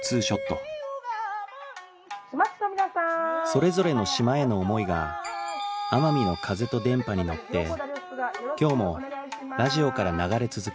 それぞれの島への思いが奄美の風と電波に乗って今日もラジオから流れ続ける